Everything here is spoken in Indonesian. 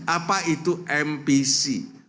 apa itu mpc